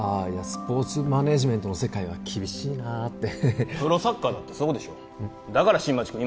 スポーツマネージメントの世界は厳しいなってプロサッカーだってそうでしょだから新町君